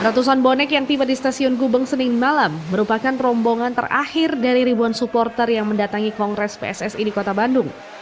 ratusan bonek yang tiba di stasiun gubeng senin malam merupakan rombongan terakhir dari ribuan supporter yang mendatangi kongres pssi di kota bandung